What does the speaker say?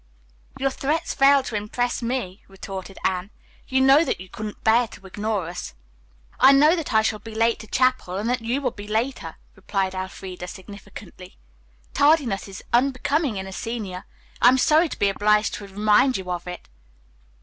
"Your threats fail to impress me," retorted Anne. "You know that you couldn't bear to ignore us." "I know I shall be late to chapel, and that you will be later," replied Elfreda significantly. "Tardiness is unbecoming in a senior. I am sorry to be obliged to remind you of it."